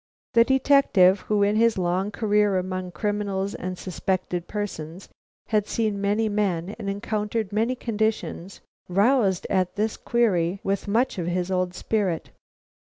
The detective, who in his long career among criminals and suspected persons, had seen many men and encountered many conditions, roused at this query with much of his old spirit.